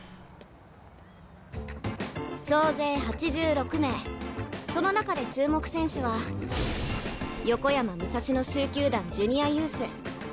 総勢８６名その中で注目選手は横山武蔵野蹴球団ジュニアユース橘総一朗。